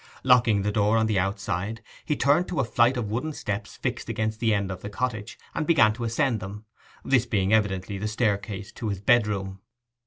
Locking the door on the outside, he turned to a flight of wooden steps fixed against the end of the cottage, and began to ascend them, this being evidently the staircase to his bedroom.